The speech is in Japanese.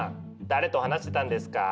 誰と話してたんですか？